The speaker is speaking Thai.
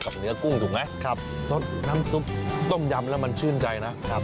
เนื้อกุ้งถูกไหมครับสดน้ำซุปต้มยำแล้วมันชื่นใจนะครับ